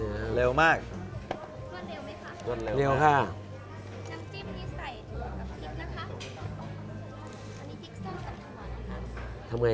พูดจริงย่อนก็ไม่